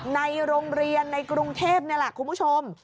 ในโรงเรียนในกรุงเทพนี่แหละคุณผู้ชม